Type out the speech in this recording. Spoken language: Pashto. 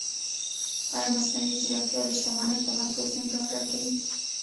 ایا مصنوعي ځیرکتیا د شتمنۍ تمرکز نه پیاوړی کوي؟